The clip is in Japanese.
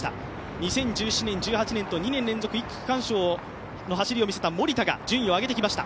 ２０１７年、１８年と区間賞の走りを見せた森田が順位を上げてきました。